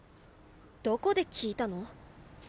どこで聞いたの？